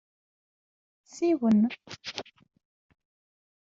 Siwen.